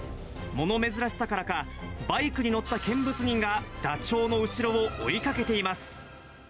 もの珍しさからか、バイクに乗った見物人が、ダチョウの後ろを追いかけています。